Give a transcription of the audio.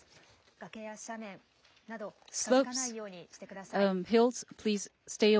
崖や斜面など、近づかないようにしてください。